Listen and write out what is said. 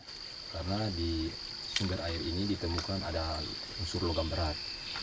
karena di sumber air ini ditemukan ada unsur logam berat